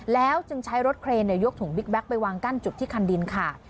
แล้วจึงใช้รถเครนยกถุงบิ๊กแก๊กไปวางกั้นจุดที่คันดินขาด